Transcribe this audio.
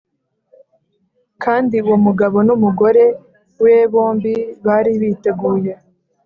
Kandi uwo mugabo n umugore we bombi bari biteguye